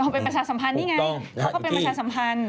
เป็นประชาสัมพันธ์นี่ไงแล้วก็เป็นประชาสัมพันธ์